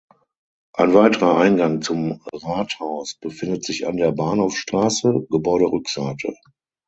Ein weiterer Eingang zum Rathaus befindet sich an der Bahnhofstraße (Gebäuderückseite).